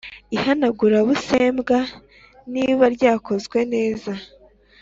ihanagurabusembwa niba ryakozwe neza